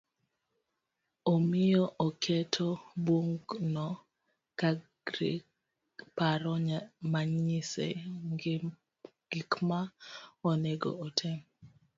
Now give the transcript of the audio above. Omiyo oketo bugno kagir paro manyise gikma onego otim